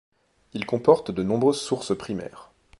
Il comporte de nombreuses sources primaires.